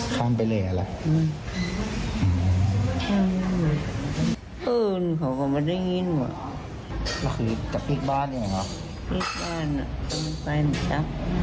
ข้ามไปเลยเหอะวันนี้ข้ายังวงในเคี้ยงของเออไม่ได้ยินวะ